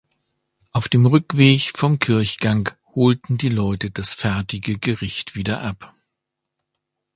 Auf dem Rückweg vom Kirchgang holten die Leute das fertige Gericht wieder ab.